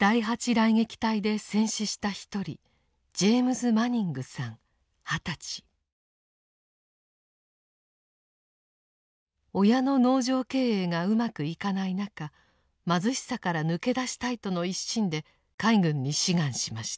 雷撃隊で戦死した一人親の農場経営がうまくいかない中貧しさから抜け出したいとの一心で海軍に志願しました。